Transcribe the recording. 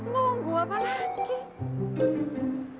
nunggu apa lagi